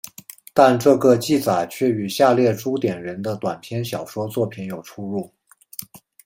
但这个记载却与下列朱点人的短篇小说作品有出入。